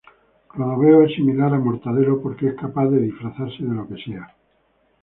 Clodoveo es similar a Mortadelo porque es capaz de disfrazarse de lo que sea.